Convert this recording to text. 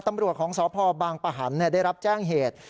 ตำรวจของสพบางปะหันได้รับแจ้งเหตุ